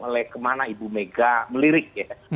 oleh kemana ibu mega melirik ya